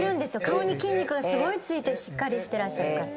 顔に筋肉がすごいついてしっかりしてらっしゃるから。